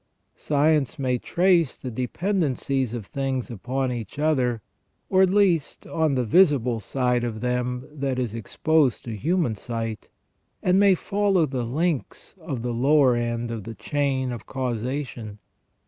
Science may trace the dependencies of things upon each other, at least, on the visible side of them that is ex posed to human sight, and may follow the links of the lower end of the chain of causation.